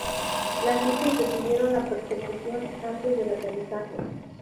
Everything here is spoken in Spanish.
Las luces detuvieron la persecución antes del aterrizaje.